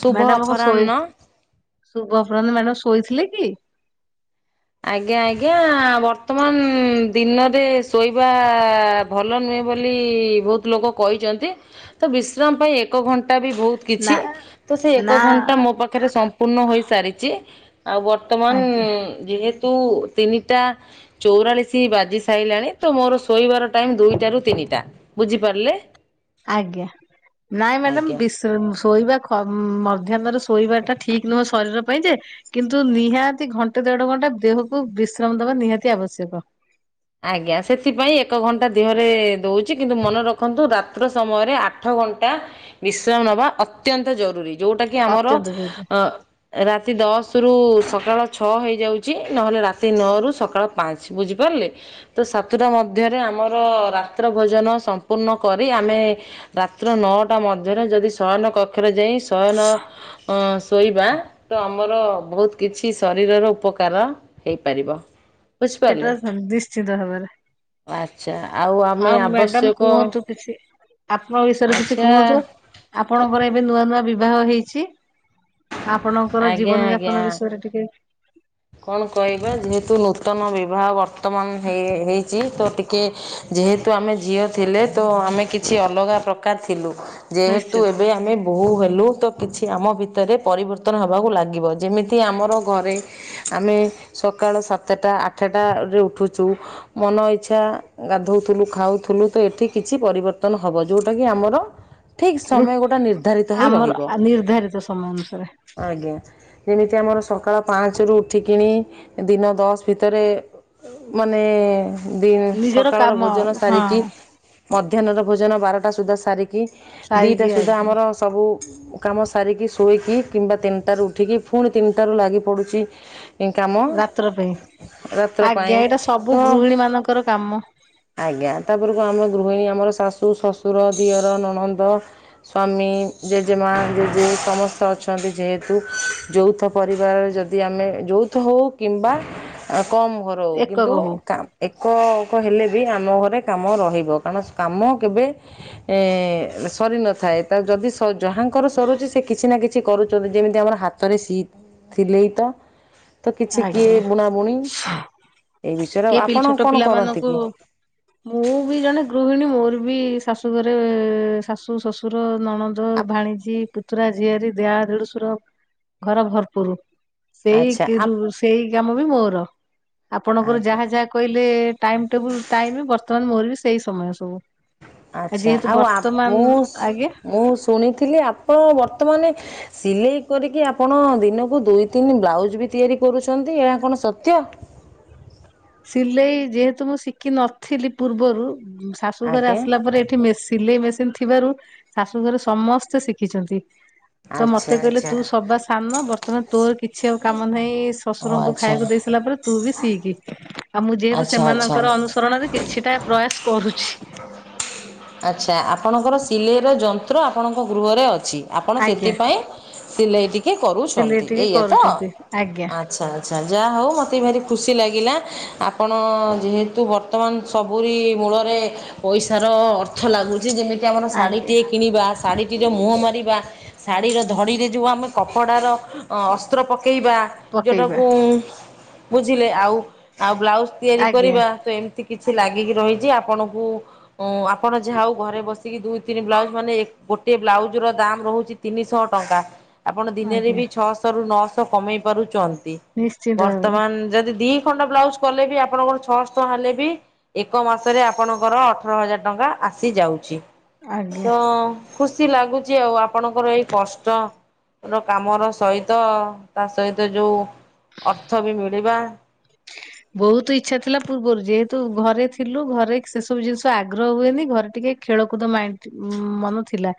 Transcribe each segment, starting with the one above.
ଶୁଭ ମ୍ୟାଡାମ କଁ ଶୋଇ ଅପରାହ୍ନ। ଶୁଭ ଅପରାହ୍ନ ମ୍ୟାଡାମ ଶୋଇଥିଲେ କି? ଆଜ୍ଞା ଆଜ୍ଞା ବର୍ତ୍ତମାନ ଦିନରେ ଶୋଇବା ଭଲ ନୁଏଁ ବୋଲି ବହୁତ ଲୋକ କହିଛନ୍ତି ତ ବିଶ୍ରାମ ପାଇଁ ଏକ ଘଣ୍ଟା ା ବି ବହୁତ କିଛି ନା ତ ସେ ନା ଏକ ଘଣ୍ଟା ମୋ ପାଖରେ ସମ୍ପୂର୍ଣ୍ଣ ହୋଇସାରିଛି ଆଉ ବର୍ତ୍ତମାନ ଆଜ୍ଞା ଯେହେତ ୁ ତିନିଟା ଚଉରାଳିଶ ବାଜି ସାରିଲଣି ତ ମୋର ଶୋଇବାର ଟ ଦଟ ର ବୁଝିପାରିଲେ ଆଜ୍ଞା ନାଇଁ ଆଜ୍ଞା। ମ୍ୟାଡ଼ାମ ଶୋଇବା ମଧ୍ୟହ୍ରେ ଶୋଇବା ଟା ଠିକ ନୁହେଁ ଶରୀର ପାଇଁ ଯେ କିନ୍ତୁ ନିହାତି ଘଣ୍ଟେ ଦେଢ ଘଣ୍ଟା ଦେହକୁ ବିଶ୍ରାମ ନିହାତି ଆବଶ୍ୟକ ଆଜ୍ଞା ସେଥିପାଇଁ ଏକ ଘଣ୍ଟା ଦେହରେ ଦଉଛି କିନ୍ତୁ ମନେ ରଖନ୍ତୁ ରାତ୍ର ସମୟରେ ଆଠ ଘଣ୍ଟା ମିଶ୍ରାମ ନବା ଅତ୍ୟନ୍ତ ଜରୁରୀ ଯୋଉଟା କିି ଆମର ଅତ୍ୟନ୍ତ ଜରୁରୀ ଅ ରାତି ଦଶ ରୁ ସକାଳ ଛଅ ହେଇଯାଉଛି ନହେଲେ ରାତି ନଅରୁ ସକାଳ ପାଞ୍ଚ ବୁଝିପାରିଲେ ତ ସାତଟା ମଧ୍ୟରେ ଆମର ରାତ୍ର ଭୋଜନ ସମ୍ପୂର୍ଣ୍ଣ କରି ଆମେ ରାାତ୍ର ନଅଟା ମଧ୍ୟରେ ଯଦି ଶୟନ କକ୍ଷରେ ଯାଇ ଶୟନ ଶୋଇବା ତ ଆମର ବହୁତ କିଛି ଶରୀରର ଉପକାର ହେଇପାରିବ ବୁଝିପାରିଲେ। ସେଟା ନିଶ୍ଚିନ୍ତ ହୋବରେ ଆଚ୍ଛା ଆମେ ଆଉ ମ୍ୟାଡାମ ଆବଶ୍ୟକ କୁହନ୍ତୁ କିଛି ଆପଣଙ୍କ ବିଷୟରେ କିଛି ଆଚ୍ଛା କୁହନ୍ତୁ ଆପଣଙ୍କର ଏବେ ନୂଆ ନୂ ବିବାହ ହେଇଛି ଆପଣଙ୍କର ଆଜ୍ଞା ଜୀବନ ଯାପନ ଆଜ୍ଞା ବିଷୟରେ ଟିକେ। କଣ କହିବା ଯେହେତୁ ନୂତନ ବିବାହ ବର୍ତ୍ତମାନ ହେଇଛି ତେ। କି ଯେହେତୁ ଆମେ ଝିଅ ଥିଲେ ତ ଆମେ କିଛି ଅଲଗା ପ୍ରକାର ଥିଲୁ ଯେହେତୁ ନିଶ୍ଚିତ ଏବେ ଆମେ ବୋହୁ ହେଲୁ ବତ କିଛି ଆମ ଭିତରେ ପରିବର୍ତ୍ତନ ହେବାକୁ ଲାଗିବ ଯେମିତି ଆମର ଘରେ। ଆମେ ସକାଳ ସାତଟା ଆଠଟାରେ ଉଠୁଛୁ ମନ ଇଚ୍ଛା। ଗାଧଉଥିଲୁ ଖାଉଥିଲୁ ତ ଏଠି କିଛି ପରିବର୍ତ୍ତନ ହବ ଯଉଟା କିି ଆମର ଠିକ ରୁ ସମୟ ଗୋଟା ନିର୍ଦ୍ଧାରିତ ହେଇ ଆମର ରହିବ ନିର୍ଦ୍ଧାରିତ ସମୟ ଅନୁସାରେ। ଆଜ୍ଞା ଯେମିତି ଆମର ସକାଳ ପାଞ୍ଚରୁ ଉଠିକଣି ଦିନ ଦଶ ଭିତରେ ମାନେ ଦ ନିଜର ସକାଳର କାମ ଭୋଜନ ହଁ ସାରିକି ମଧ୍ୟାହ୍ନର ଭୋଜନ ବାରଟା ସୁଦ୍ଧା ସାରିକି ଦିଟା ସାରିକି ସୁଦ୍ଧା ଆଜ୍ଞା ଆମର ସବୁ କାମ ସାରିକି ଶୋଇକି କିମ୍ବା ତିନିଟାରୁ ଉଠିକି ପୁଣି ତିନିଟାରୁ ଲାଗି ପଡୁଛି କାମ ରାତ୍ର ପାଇଁ ରାତ୍ର ପାଇଁ ଆଜ୍ଞା ଏଇଟା ତ ସବୁ ଗୃହିଣୀ ମାନଙ୍କର କାମ ଆଜ୍ଞା ତାପରକୁ ଆମର ଗୃହିଣୀ ଆମର ଶାଶୁ ଶ୍ୱଶୁର ଦିଅର ନଣନ୍ଦ ସ୍ୱାମୀ ଜେଜେମା ଜେଜେ ସମସ୍ତେ ଅ ଅଛନ୍ତି ଯେହେତୁ ଯୌଥ ପରିବାର ଯଦି ଆମେ ଯୌଥ ହେଉ କିମ୍ବା କମ୍ ଘର ହେଉ କିନ୍ତୁ ଏକକ ହଉ ଏକ ହେଲେ ବି ଆମ ଘରେ କାମ ରହିବ କାରଣ କାମ କେବେ ସରି ନଥାଏ ଯଦି ଯାହାଙ୍କର ସରୁଛି ସେ କିଛି ନା କିଛି କରୁଛନ୍ତି ଯେମିତି ଆମର ହାତରେ ସି ଥିଲେ ତ ତ କିଛି କିଏ ଆଜ୍ଞା ବୁଣାବୁଣି ଏଇ ବିଷୟରେ ଆଉ କିଏ ପି ଆପଣ ଛୋଟ କଣ କରନ୍ତି ପିଲାମାନଙ୍କୁ କି ମୁଁ ବି ଜଣେ ଗୃହିଣୀ ମୋର ବି ବି ଶାଶୁଘରେ ଶାଶୁ ଶ୍ୱଶୁର ନଣଦ ଭାଣିଜୀ ପୁତୁରା ଆଜି ଆଜି ଯା ଦେଢ଼ସୁର ଘର ଭରପୁର ସେଇ ଆଚ୍ଛା କି ରୁ ଆପ୍ ସେଇ କାମ ବି ମୋର। ଆପଣଙ୍କର ଆଜ୍ଞା ଯାହା ଯାହା କହିଲେ ଟାଇମ ଟେବୁଲ ଟାଇମ ବର୍ତମାନ ମୋର ବି ସେଇ ସମୟ ସବୁ। ଆଛା ଯେହେତୁ ଆଉ ଆପ୍ ବର୍ତ୍ତମାନ ମୁଁଶ୍ ଆଜ୍ଞା ମୁଁ ଶୁଣିଥିଲି ଆପଣ ବର୍ତ୍ତମାନେ ସିଲେଇ କରିକି ଆପଣ ଦିନକୁ ଦୁଇ ତିନି ବ୍ଲାଉଜ ବି ତିଆରି କରୁଛନ୍ତି, ଏହା କଣ ସତ୍ୟ? [inaudible] [inaudible] ସିଲେଇ ଯେହେତୁ ମୁଁ ଶିଖିିନଥିଲି ପୂର୍ବରୁ ଶାଶୁ ଘରେ ଆଜ୍ଞା ଆସିଲା ପରେ ଏଠି ମେଶି ସିଲେଇ ମେସିନ୍ ଥିବାରୁ ଶାଶୁ ଘରେ ସମସ୍ତେ ଶିଖିଚନ୍ତି। ତ ଆଚ୍ଛା ମତେ କହିଲୁ, ଆଚ୍ଛା ତୁ ସବା ସାନ ବର୍ତ୍ତମାନ ତୋର କିଛି ଆଉ କାମ ନାହିଁ ଓ ଶଶୁରଙ୍କୁ ଆଚ୍ଛା ଖାଇବାକୁ ଦେଇ ସାରିଲା ପରେ ତୁ ବି ସିଖି, ଆଉ ମୁଁ ଯେହେତୁ ଆଚ୍ଛା ଆଚ୍ଛା ସେମାନଙ୍କର ଅନୁସରଣରେ କିଛିଟା ପ୍ରୟାସ କରୁଛି। ଆଚ୍ଛା ଆପଣଙ୍କର ସିଲେଇର ଯନ୍ତ୍ର ଆପଣଙ୍କ ଗୃହରେ ଅଛି ଆପଣ ଆଜ୍ଞା। ସେଥିପାଇଁ ସିଲେଇ ଟିକେ ସିଲେଇ କରୁଛନ୍ତି, ଟିକେ ଏଇଆ ତ। କରୁଛନ୍ତି ଆଜ୍ଞା ଆଚ୍ଛା ଆଚ୍ଛା ଯାହା ହଉ ମୋତେ ଭାରି ଖୁସି ଲାଗିଲା, ଆପଣ ଯେହେତୁ ବର୍ତ୍ତମାନ ସବୁରି ମୂଳରେ ପଇସାର ଅର୍ଥ ଲାଗୁଚି, ଯେମିତି ଆମର ଆଜ୍ଞା ଶାଢ଼ୀଟିଏ କିଣିବା ଶାଢ଼ୀଟିର ମୁହଁ ମାରିବା, ଶାଢ଼ୀର ଧଡ଼ିରେ ଯେଉଁ ଆମେ କପଡ଼ାର ଅ ଅସ୍ତ୍ର ପକେଇବା, ପକେଇବା ଯଉଟାକୁ ବୁଝିଲେ ଆଉ ଆଉ ବ୍ଲା ଜ୍ ତିଆରି ଆଜ୍ଞା କରିବା। ତ ଏମିତି କିଛି ଲାଗିକି ରହିଚି। ଆପଣଙ୍କୁ ଆ ଆପଣ ଯା ହଉ ଘରେ ବସିକି ଦୁଇ ତିନି ବ୍ଲାଉଜ ମାନେ ଗୋଟେ ବ୍ଲାଉଜ ର ଦାମ ରହୁଚି ତିନିଶହ ଟଙ୍କା। ଆପଣ ଦିନେରେ ଆଜ୍ଞା ବି ଛଅଶହ ରୁ ନଅଶହ କମେଇ ପାରୁଚନ୍ତି। ନିଶ୍ଚିନ୍ତ ଭାବରେ ବର୍ତ୍ତମାନ ଯଦି ଦି ଖଣ୍ଡ ବ୍ଲାଉଜ କଲେ ବି ଆପଣଙ୍କର ଛଅଶହ ଟଙ୍କା ହେଲେ ବି ଏକ ମାସରେ ଆପଣଙ୍କର ଅଠର ହଜାର ଟଙ୍କା ଆସିଯାଉଚି। ଆଜ୍ଞା। ତ ଖୁସି ଲାଗୁଚି ଆଉ ଆପଣଙ୍କର ଏଇ କଷ୍ଟ ର କାମର ସହିତ ତା ସହିତ ଯୋଉ ଅର୍ଥ ବି ମିଳିବା। ବହୁତ ଇଚ୍ଛା ଥିଲା ପୂର୍ବରୁ ଯେହେତୁ ଘରେ ଥିଲୁ ଘରେ ସେସବୁ ଜିନିଷ ଆଗ୍ରହ ହୁଏନି ଘରେ ଟିକେ ଖେଳକୁଦ ମାଇ ଇ ମନ ଥିଲା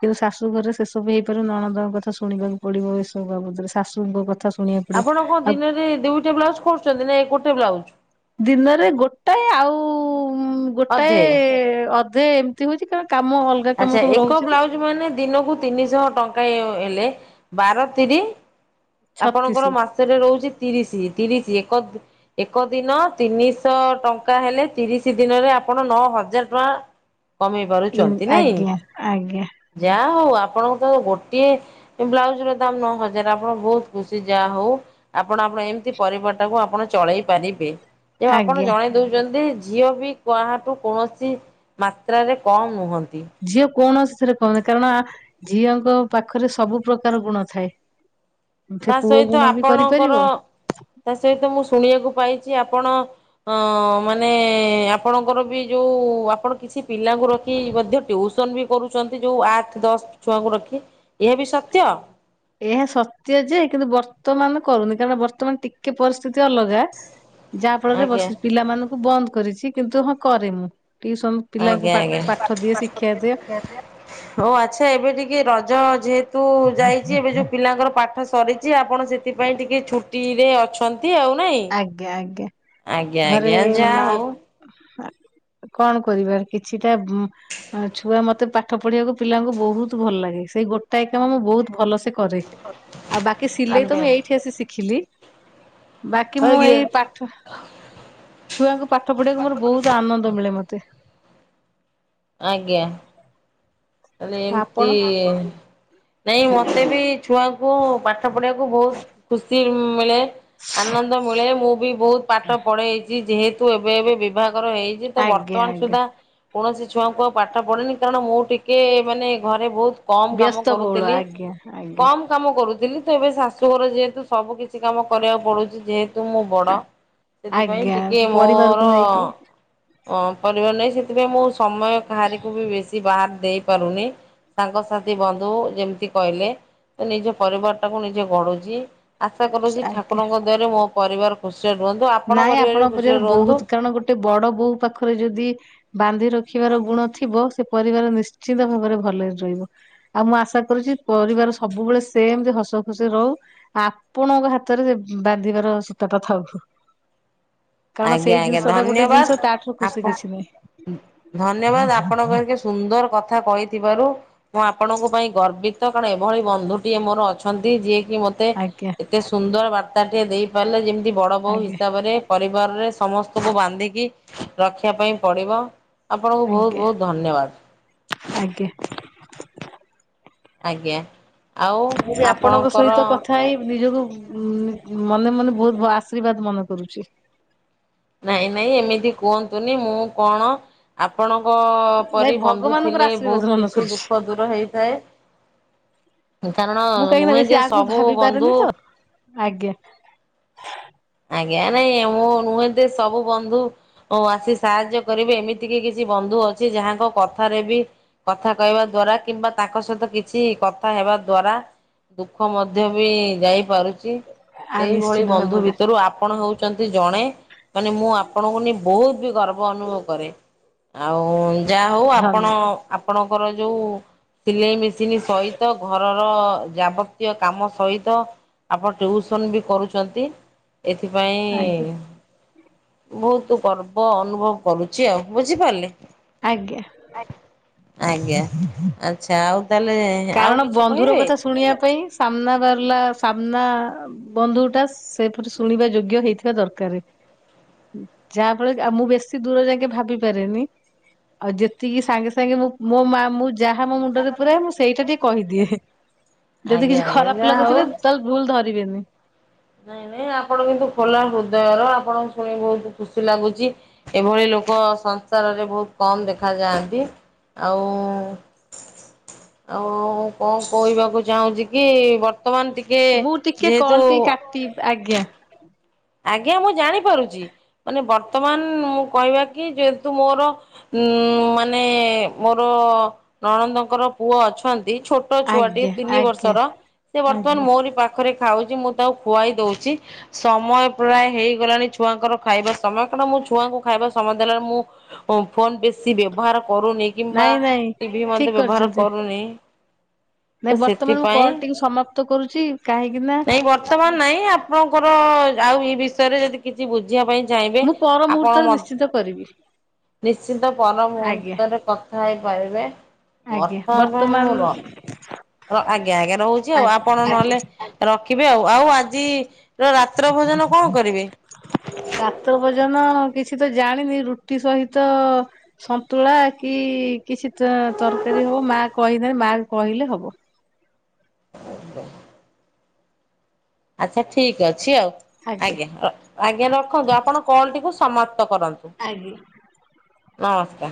କିନ୍ତୁ ଶାଶୁ ଘରେ ସେସବୁ ହେଇପାରୁ ନଣଦ କଥା ଶୁଣି କୁ ପଡିବ ଏସବୁ ବାବଦରେ ଶାଶୁଙ୍କ କଥା ଶୁଣିବାକୁ ପଡିବ ଆପଣ କଣ ଆଉ ଦିନରେ ଦିଇଟା ବ୍ଲାଉଜ କରୁଚନ୍ତି ନା ଏ ଗୋଟେ ବ୍ଲାଉଜ? ଦିନରେ ଗୋଟାଏ ଆଉ ଗୋଟାଏ ଅଧେ ଅ ଧେ, ଏମିତି ହଉଚି କଣ ଆଚ୍ଛା ଏକ ବ୍ଲାଉଜ ମାନେ ଦିନକୁ ତିନିଶହ ଟଙ୍କା। ହେଲେ ବାର ତିରି ଆପଣଙ୍କର ଛତିଶି ମାସରେ ରହୁଚି ତିରିଶି ତିରିଶି ଏକ ଏକ ଦିନ ତିନିଶହ ଟଙ୍କା ହେଲେ ତିରିଶ ଦିନରେ ଆପଣ ନଅ ହଜାର ଟଙ୍କା କମେଇ ପାରୁଚନ୍ତି। ଆଜ୍ଞା ଆଜ୍ଞା। ଆ ହଉ ଆପଣଙ୍କ ତ ଗୋଟିଏ ବ୍ଲାଉଜର ଦାମ ନଅ ହଜାର ଆପଣ ବହୁତ ଖୁସି। ଯାହା ହଉ ଆପଣ ଆପଣ ଏମିତି ପରିବାର ଟାକୁ ଆପଣ ଚଳେଇ ପାରିବେ। ଯେ ଆପଣ ଆଜ୍ଞା ଜଣେଇ ଦଉଚନ୍ତି ଝିଅ ବି କାହାଠୁ କୌଣସି ମାତ୍ରାରେ କମ ନୁହନ୍ତି। ଝିଅ କୌଣସି ରେ କମ୍ ନୁହ କାରଣ ଝିଅଙ୍କ ପାଖରେ ସବୁ ପ୍ରକାର ଗୁଣ ଥାଏ। ସେ ତା ପୁଅ ସହିତ ଗୁଣ ବି ଆପଣଙ୍କର କରିପାରିବ ତା ସହିତ ମୁଁ ଶୁଣିବାକୁ ପାଇଚି ଆପଣ ଅ ମାନେ ଆପଣଙ୍କର ବି ଯୋଉ ଆପଣ କିଛି ପିଲାଙ୍କୁ ର ଖୀକି ମଧ୍ୟ ଟ୍ୟୁସନ ବି କରୁଚନ୍ତି ଯୋଉ ଆଠ ଦଶ ଛୁଆଙ୍କୁ ରଖି ଏହା ବି ସତ୍ୟ? ଏହା ସତ୍ୟ ଯେ କିନ୍ତୁ ବର୍ତ୍ତମାନ କରୁନି କାରଣ ବର୍ତ୍ତମାନ ଟିକେ ପରିସ୍ଥିତି ତି ଅଲଗା ଯାହା ଫଳରେ ଆଜ୍ଞା ବସି ପିଲାମାନଙ୍କୁ ବନ୍ଦ କରିଚି କିନ୍ତୁ ହଁ କରେ ମୁଁ। ଟିଉସନ ପିଲାଙ୍କୁ ଆଜ୍ଞା ପାଠ ଆଜ୍ଞା। ପାଠ ଦିଏ ଶିକ୍ଷା ଦିଏ ହ ଆଚ୍ଛା ଏବେ ଟିକେ ରଜ ଯେହେତୁ ଯାଇଚି, ଏବେ ଯୋଉ ପିଲାଙ୍କର ପାଠ ସରିଚି ଆପଣ ସେଥିପାଇଁ ଟିକେ ଛୁଟି ରେ ଅଛନ୍ତି। ଆଉ ନାଇଁ। ଆଜ୍ଞା ଆଜ୍ଞା ଆଜ୍ଞା ଘରେ ଆଜ୍ଞା ଯାହା ମା ହଉ ଆ କଣ କରିବା କିଛିଟା ଛୁଆ ମ ତେ ପାଠ ପଢିବାକୁ ପିଲାଙ୍କୁ ବହୁତ ଭଲ ଲାଗେ। ସେଇ ଗୋଟାଏ କାମ ମୁଁ ବହୁତ ଭଲ ସେ କରେ। ଆଉ ବାକି ସିଲେଇ ତ ଆଜ୍ଞା ମୁଁ ଏଇଠି ଆସି ଶିଖିଲି। ବାକି ମୁଁ ଆଜ୍ଞା ଏଇ ପାଠ ଛୁଆଙ୍କୁ ପାଠ ପଢିବାକୁ ମୋର ବହୁତ ଆନନ୍ଦ ମିଳେ ମତ ତେ। ଆଜ୍ଞା। ମାନେ ଆପଣ ଏମତି ନାଇଁ ମତେ ବି ଛୁଆଙ୍କୁ ପାଠ ପଢିବାକୁ ବହୁତ ଖୁସି ମିଳେ। ଆନନ୍ଦ ମିଳେ ମୁଁ ବି ବହୁତ ପାଠ ପଢେଇଛି ଯେହେତୁ ଏବେ ଏବେ ବିଭାଗ ର ହେଇଛି ତ ଆଜ୍ଞା ବର୍ତ୍ତମାନ ଆଜ୍ଞା। ସୁଦ୍ଧା କୌଣସି ଛୁଆଙ୍କୁ ଆଉ ପାଠ ପଢନି କାରଣ ମୁଁ ଟିକ କି ମାନେ ଘରେ ବହୁତ କମ କାମ ବ୍ୟସ୍ତବହୁଳ କରୁଥିଲି ଆଜ୍ଞା ଆଜ୍ଞା କମ କାମ କରୁଥିଲି ଏବେ ଶାଶୁଘର ଯେହେତୁ ସବୁ କିଛି କାମ କରିବାକୁ ପଡୁଛି ଯେହେତୁ ମୁଁ ବଡ ସେଥିପାଇଁ ଆଜ୍ଞା ଟିକେ ପରିବାରକୁ ମୋର ନେଇକି ପରିବାର ନେଇଁ ସେ ସେଥିପ ମୁଁ ସମୟ କାହାରିକୁ ବି ବେଶୀ ବାଦ୍ ଦେଇ ପାରୁନି ସାଙ୍ଗସଥି ବନ୍ଧୁ ଯେମିତି କହିଲେ ତ ନିଜ ପରିବାର ଟାକୁ ନିଜେ ଗଢୁଛି ଆଶା କରୁଛି ଆଜ୍ଞା ଠାକୁରଙ୍କ ଦ୍ଵାରରେ ମୋ ପରିବାର ଖୁସି ନାଇଁ ଆପଣଙ୍କ ପରିବାର ବହୁତ କାରଣ ଗୋଟେ ବଡ ବୋଉ ପାଖରେ ଯଦି ବାନ୍ଧି ରଖି ରଖିବାର ଗୁଣ ଥିବ ସେ ପରିବାର ନିଶ୍ଚିନ୍ତ ଭାବରେ ଭଲରେ ରହିବ ଆଉ ମୁଁ ଆଶା କରୁଛି ପରିବାର ସବୁବେଳେ ସେମ ଯେ ହସ ଖୁସି ରହୁ ଆପଣଙ୍କ ହାତରେ ସେ ବାନ୍ଧିବାର ସୂତାଟାଥାଉ ଆଜ୍ଞା ଆଜ୍ଞା ଟା ଗୋଟେ ଜିନିଷ ଧନ୍ୟବାଦ ତାଠାରୁ ଖୁସି ଆପଣ କିଛି ନାହିଁ ଧନ୍ୟବାଦ ଆପଣଙ୍କ ସୁନ୍ଦର କଥା କହିଥିବାରୁ ମୁଁ ଆପଣଙ୍କ ପାଇଁ ଗର୍ବିତ କାରଣ ଏଭଳି ବନ୍ଧୁଟିଏ ମୋର ଅଛି ଯିଏକି ମୋତେ ଆଜ୍ଞା ଏତେ ସୁନ୍ଦର ବାର୍ତ୍ତାଟିଏ ଦେଇପାରିଲେ ଯେମିତି ବଡ଼ ବୋଉ ଆଜ୍ଞା ହିସାବରେ ପରିବାରରେ ସମସ୍ତଙ୍କୁ ବାନ୍ଧିକି ରଖିବା ପାଇଁ ପଡିବ ଆପଣଙ୍କୁ ବହୁତ ବହୁତ ଧନ୍ୟବାଦ ଆଜ୍ଞ ଆଜ୍ଞା ଆଉ ମୁ ଆପଣଙ୍କ ଆପଣଙ୍କର ସହିତ କଥା ହେଇ ନିଜକୁ ଉ ମନେ ମନେ ବହୁତ ଆଶୀର୍ବାଦ ମନେ କରୁଛି ନାଇଁ ନାଇଁ ଏମିତି କୁହନ୍ତୁନି ମୁଁ କଣ ଆପଣଙ୍କ ନାଇଁ ପରି ବନ୍ଧୁ ଭଗବାନଙ୍କର ଥିଲେ ଆଶୀର୍ବାଦ ବହୁତ ମନେ କିଛି କରୁଛି। ଦୁଃଖ ଦୂର ହେଇଥାଏ କାରଣ ମୁଁ କାହିଁକି ନା ନୁହେଁ ବେଶୀ ଯେ ଆଗକୁ ସବୁ ଭାବି ବନ୍ଧୁ ପାରେନି ତ ଆଜ୍ଞା ଆଜ୍ଞ ନାଇ ମୁଁ ନୁହେଁ ସବୁ ବନ୍ଧୁ ଆସି ସାହାଯ୍ୟ କରିବେ ଏମିତି କି କିଛି ବନ୍ଧୁ ଅଛି ଯାହାଙ୍କ କଥାରେ ବି କଥା କହିବା ଦ୍ଵାରା କିମ୍ବା ତାଙ୍କ ସହିତ କିଛି କଥା ହେବା ଦ୍ଵାରା ଦୁଃଖ ମଧ୍ୟ ବି ଯାଇପାରୁଛି ଆ ସେଇଭଳି ନିଶ୍ଚିତ ବନ୍ଧୁ ଭାବରେ। ଭିତରୁ ଆପଣ ହଉଛନ୍ତି ଜଣେ ମାନେ ମୁଁ ଆପଣଙ୍କୁ ନେଇ ବହୁତ ବି ଗର୍ବ ଅନୁଭବ କରେ ଆଉ ଯାହା ହଉ ଆପଣ ଧନ୍ୟବାଦ ଆପଣଙ୍କର ଯୋଉ ସିଲେଇ ମେସିନ ସହିତ ଘର ଜାବତ୍ୟ କାମ ସହିତ ଆପଣ ଟିଉସନ ବି କରୁଛନ୍ତି ଆଜ୍ଞା ଏଥିପାଇଁ ବହୁତ ଗର୍ବ ଅନୁଭବ କରୁଛି ଆଉ ବୁଝିପାରିଲେ ଆଜ୍ଞା ଆଜ୍ଞା ଆଛା ଆଉ ତାହେଲେ ଆଉ କାରଣ କିଛି ବନ୍ଧୁର କହିବେ? କଥା ଶୁଣିବା ପାଇଁ ସାମ୍ନା ରହିଲାସାମ୍ନା ବନ୍ଧୁ ଟା ସେପରି ଶୁଣିବା ଯୋଗ୍ୟ ହେଇଥିବା ଦରକାର ଯାହା ଫଳରେ ମୁଁ ବେଶୀ ଦୂର ଯାଇକେ ଭାବି ପାରେନି ଆଉ ଯେତିକି ସାଙ୍ଗେ ସାଙ୍ଗେ ମୁଁ ମୋ ମା ମୁଁ ଯାହା ମୋ ମୁଣ୍ଡରେ ପୁରାଏ ମୁଁ ସେଇଟା ଟିକେ କହିଦିଏ। ଯଦି ଆଜ୍ଞା କିଛି ଆଜ୍ଞା ଖରାପ ଯାହା ହଉ ଲାଗୁଥିବେ ତାହେଲେ ଭୁଲ ଧରିବେନି ନାଇଁ ନାଇଁ ଆପଣ କିନ୍ତୁ ଖୋଲା ହୃଦୟର ଆପଣ ଶୁଣି ବହୁତ ଖୁସି ଲାଗୁଛି ଏଭଳି ଲ ସଂସାରରେ ବହୁତ୍ କମ ଦେଖା ଯାଆନ୍ତି। ଆଉ କଣ କହିବାକୁ ଚାହୁଁଛି କି ବର୍ତ୍ତମାନ ଟିକେ ମୁଁ ଟିକେ କଲ ଯେହେତୁ ଟି କାଟି ଆଜ୍ଞା। ଆଜ୍ଞା ମୁଁ ଜାଣିପାରୁଛି ମାନେ ବର୍ତ୍ତମାନ ମୁଁ କହିବା କି ଯେହେତୁ ମୋର। ଉ ମାନେ ମୋର ନଣନ୍ଦଙ୍କର ପୁଅ ଅଛନ୍ତି। ଛୋଟ ଛୁଆଟି ଆଜ୍ଞା ତିନି ଆଜ୍ଞା ବର୍ଷର ସେ ବର୍ତ୍ତମାନ ଆଜ୍ଞା। ମୋରି ପାଖରେ ଖାଉଛି ମୁଁ ତାକୁ ଖୁଆଇ ଦଉଛି ସମୟ ପ୍ରାୟ ହେଇଗଲାଣି ଛୁଆଙ୍କର ଖାଇବା ସମୟ କାରଣ ମୁଁ ଛୁଆଙ୍କୁ ଖାଇବା ସମୟ ଦେଲା ମୁଁ ମୁଁ ଫୋନ୍ ବେଶୀ ବ୍ୟବହାର କରୁନି କିମ୍ବା ନାଇଁ ନାଇଁ ଟି ଭି ମଧ୍ୟ ଠିକ ବ୍ୟବହାର କରିଛନ୍ତି। କରୁନି। ତ ନାଇଁ ବର୍ତ୍ତମାନ ମୁଁ ସେଥିପାଇଁ, କଲ ଟିକୁ ସମାପ୍ତ କରୁଛି କାହିଁକି ନା ନାଇଁ ବର୍ତ୍ତମାନ ନାଇଁ ଆପଣଙ୍କର-ଅ-ଅ ଆଉ ଏ ବିଷୟରେ ଯଦି କିଛି ବୁଝିବା ପାଇଁ ଚାହିଁବେ ମୁଁ ପର ଆପଣ ମୁହୂର୍ତ୍ତରେ ମ ନିଶ୍ଚିତ କରିବି। ନିଶ୍ଚିନ୍ତ ପର ଆଜ୍ଞା ମୁହୂର୍ନ୍ତରେ କଥା ହେଇପାରିବେ। ଆଜ୍ଞା ବର୍ଷା ପାଇଁ ମୁଁ ର ବର୍ତ୍ତମାନ ଆଜ୍ଞା ଆଜ୍ଞା ରହୁଛି ଆଉ ଆଜ୍ଞା ଆପଣ ନହେଲେ ଆଜ୍ଞା। ର ରଖିବେ ଆଉ ଆଉ ଆଜିର ରାତ୍ର ଭୋଜନ କଣ କରିବେ? ରାତ୍ର ଭୋଜନ କିଛି ତ ଜାଣିନି ରୁଟି ସହିତ ସନ୍ତୁଳା କି-ଇ-ଇ କିଛି ତ ତରକାରୀ ହବ ମା କହିଦେଲେ ମା କହିଲେ ହବ। ଆା ଆଚ୍ଛା ଠିକ ଅ ଅଛି ଆଉ ଆଜ୍ଞା ର ଆଜ୍ଞା ରଖନ୍ତୁ ଆପଣ କଲ୍ ଟିକୁ ସମାପ୍ତ କରନ୍ତୁ। ଆଜ୍ଞା। ନମସ୍କାର।